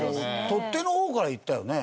取っ手の方からいったよね。